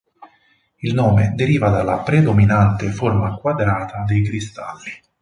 Il nome deriva dalla predominante forma quadrata dei cristalli.